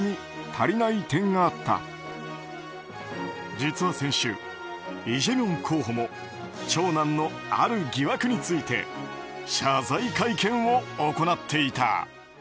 実は先週イ・ジェミョン候補も長男のある疑惑について謝罪会見を行っていた。